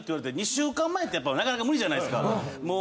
２週間前ってなかなか無理じゃないですか。